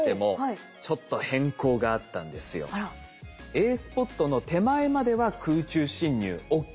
Ａスポットの手前までは空中侵入ＯＫ。